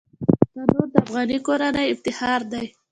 تنور د افغاني کورنۍ افتخار دی